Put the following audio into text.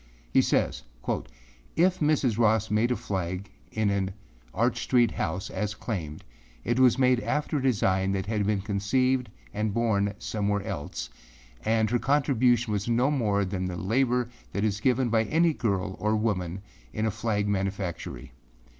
He says, âIf Mrs. Ross made a flag in an Arch Street house as claimed, it was made after a design that had been conceived and born somewhere else, and her contribution was no more than the labor that is given by any girl or woman in a flag manufactory.